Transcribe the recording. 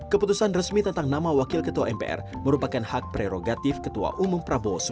keputusan resmi tentang nama wakil ketua mpr merupakan hak prerogatif ketua umum prabowo